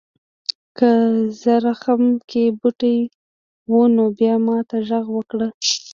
که زرخم کې بوټي و نو بیا ماته غږ وکړه.